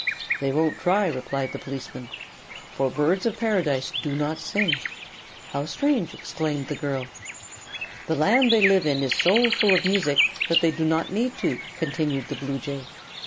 "They won't try," replied the policeman, "for Birds of Paradise do not sing." "How strange!" exclaimed the girl. "The land they live in is so full of music that they do not need to," continued the bluejay.